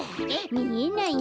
みえないの？